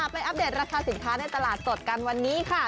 อัปเดตราคาสินค้าในตลาดสดกันวันนี้ค่ะ